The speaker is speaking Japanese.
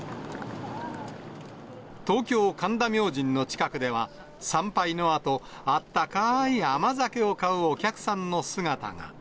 東京・神田明神の近くでは、参拝のあと、あったかい甘酒を買うお客さんの姿が。